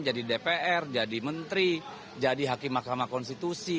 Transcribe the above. jadi dpr jadi menteri jadi hakim mahkamah konstitusi